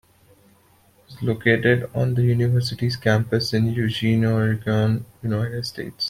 It is located on the university's campus in Eugene, Oregon, United States.